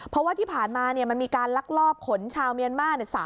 เพราะว่าที่ผ่านมามันมีการลักลอบขนชาวเมียนมาร์